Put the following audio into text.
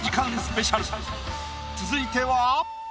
続いては？